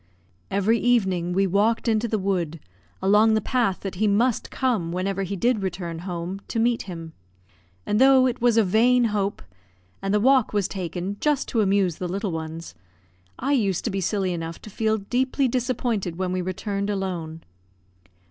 Every evening we walked into the wood, along the path that he must come whenever he did return home, to meet him, and though it was a vain hope, and the walk was taken just to amuse the little ones, I used to be silly enough to feel deeply disappointed when we returned alone.